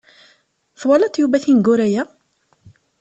Twalaḍ Yuba tineggura-ya?